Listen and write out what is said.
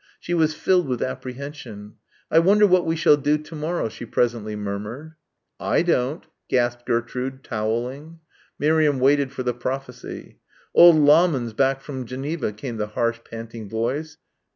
She was filled with apprehension. "I wonder what we shall do to morrow," she presently murmured. "I don't," gasped Gertrude, towelling. Miriam waited for the prophecy. "Old Lahmann's back from Geneva," came the harsh panting voice.